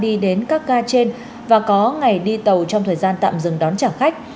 đi đến các ca trên và có ngày đi tàu trong thời gian tạm dừng đón trả khách